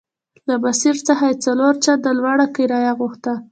له ماسیر څخه یې څلور چنده لوړه کرایه غوښته.